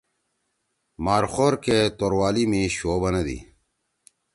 مارخور کے توروالی می شو بنَدی۔